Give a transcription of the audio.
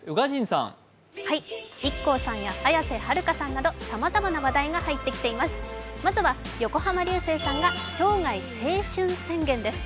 ＩＫＫＯさんや綾瀬はるかさんなど、さまざまな話題が入ってきています。